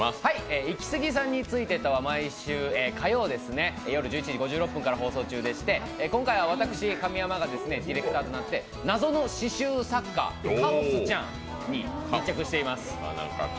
「イキスギさんについてった」が毎週火曜、夜１１時５６分から放送中でして今回は私、神山がディレクターとなって謎の刺しゅう作家・カオスちゃんに密着しています。